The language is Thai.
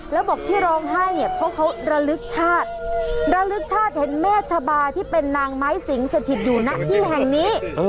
แล้วบอกที่ร้องไห้เนี่ยเพราะเขาระลึกชาติระลึกชาติเห็นแม่ชะบาที่เป็นนางไม้สิงสถิตอยู่ณที่แห่งนี้